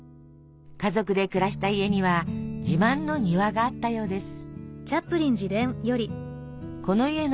家族で暮らした家には自慢の庭があったようです。